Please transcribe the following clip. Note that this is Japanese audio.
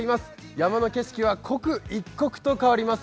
山の景色は刻一刻と変わります。